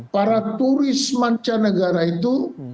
para turis mancanegara itu